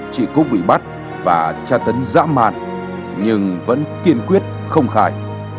chị cú bị bắt và tra tấn dã man nhưng vẫn kiên quyết không khai